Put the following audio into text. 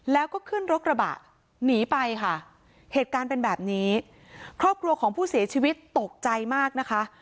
แล้วก็ขึ้นรถกระบะหนีไปค่ะเหตุการณ์เป็นแบบนี้ครอบครัวของผู้เสียชีวิตตกใจมากนะคะ